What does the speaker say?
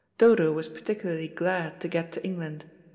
Dodo was particularly glad to get to England.